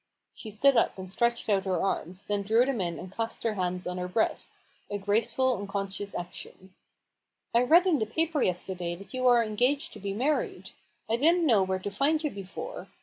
" She stood up and stretched out her arms, then drew them in and clasped her hands on her breast — a graceful, unconscious action. " I read in the paper yesterday that you are engaged to 152 A BOOK OF BARGAINS. be married. I didn't know where to find you before.